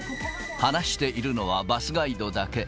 話しているのはバスガイドだけ。